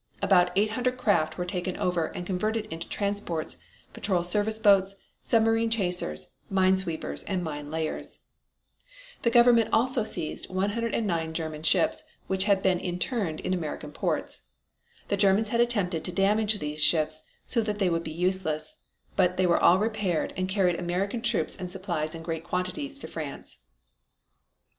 About eight hundred craft were taken over and converted into transports, patrol service boats, submarine chasers, mine sweepers and mine layers. The government also seized 109 German ships which had been interned in American ports. The Germans had attempted to damage these ships so that they would be useless, but they were all repaired, and carried American troops and supplies in great quantities to France.